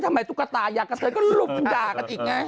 ทำไมตุ๊กตายางกันเถอะก็รุบด่ากันอีกไง